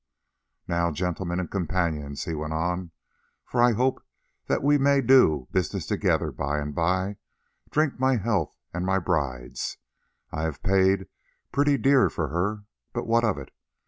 "Now, gentlemen and companions," he went on, "for I hope that we may do business together by and by, drink my health and my bride's. I have paid pretty dear for her, but what of it?